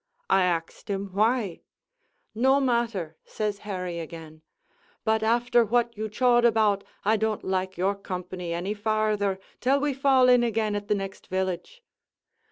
I axed him why? 'No matter,' says Harry again, 'but after what you chawed about, I don't like your company any farther, till we fall in again at the next village.'